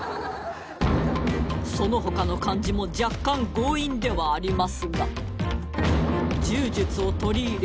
その他の漢字も若干強引ではありますが柔術を取り入れ